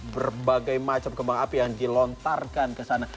berbagai macam kembang api yang dilontarkan ke sana